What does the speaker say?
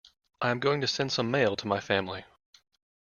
I am going to send some mail to my family.